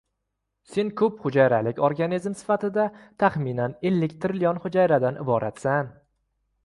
Sen ko‘phujayralik organizm sifatida taxminan ellik trillion hujayradan iboratsan.